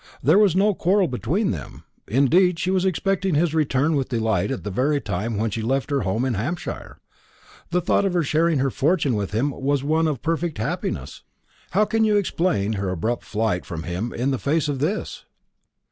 There was no quarrel between them; indeed, she was expecting his return with delight at the very time when she left her home in Hampshire. The thought of sharing her fortune with him was one of perfect happiness. How can you explain her abrupt flight from him in the face of this?"